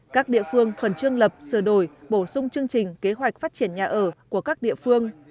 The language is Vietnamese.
các địa phương khẩn trương lập sửa đổi bổ sung chương trình kế hoạch phát triển nhà ở của các địa phương